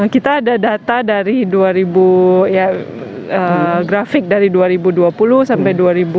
kita ada data dari dua ribu grafik dari dua ribu dua puluh sampai dua ribu dua puluh